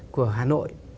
của hà nội